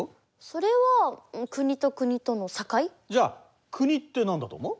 それは国と国との境？じゃあ国って何だと思う？